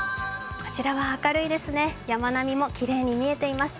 こちらは明るいですね、山並みもきれいに見えていますね。